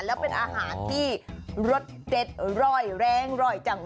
แล้วเป็นอาหารที่รสเด็ดรอยแรงรอยจัง